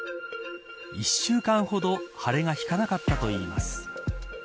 １週間程、腫れが引かなかったといいます